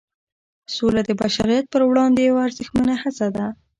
سوله د بشریت پر وړاندې یوه ارزښتمنه هڅه ده.